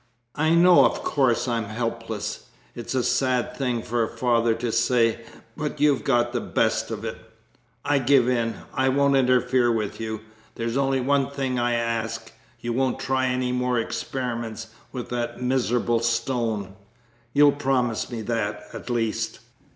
I know of course I'm helpless. It's a sad thing for a father to say, but you've got the best of it.... I give in ... I won't interfere with you. There's only one thing I ask. You won't try any more experiments with that miserable stone.... You'll promise me that, at least?"